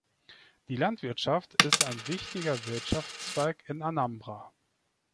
Die Landwirtschaft ist ein wichtiger Wirtschaftszweig in Anambra.